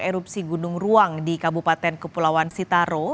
erupsi gunung ruang di kabupaten kepulauan sitaro